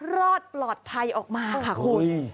รอดปลอดภัยออกมาค่ะคุณ